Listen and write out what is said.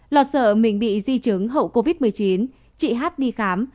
lo sợ mình bị di chứng hậu covid một mươi chín chị hát đi khám